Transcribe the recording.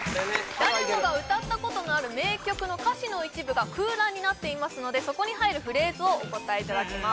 誰もが歌ったことのある名曲の歌詞の一部が空欄になっていますのでそこに入るフレーズをお答えいただきます